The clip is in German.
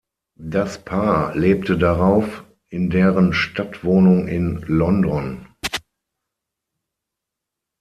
Das Paar lebte darauf in deren Stadtwohnung in London.